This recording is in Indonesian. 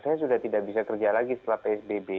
saya sudah tidak bisa kerja lagi setelah psbb